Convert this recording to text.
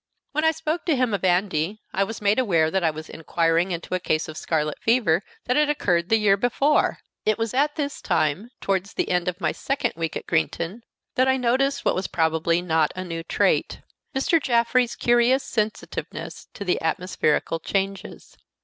When I spoke to him of Andy, I was made aware that I was inquiring into a case of scarlet fever that had occurred the year before! It was at this time, towards the end of my second week at Greenton, that I noticed what was probably not a new trait Mr. Jaffrey's curious sensitiveness to atmospherical changes.